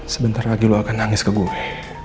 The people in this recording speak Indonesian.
sebentar lagi lo akan nangis ke gue